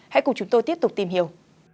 hãy cùng chúng tôi tiếp tục tìm hiểu